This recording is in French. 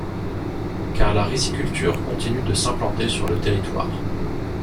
Car la riziculture continue de s'implanter sur le territoire.